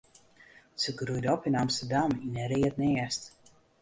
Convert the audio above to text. Se groeide op yn Amsterdam yn in read nêst.